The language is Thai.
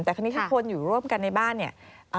แต่คราวนี้ทุกคนอยู่ร่วมกันในบ้านเนี่ย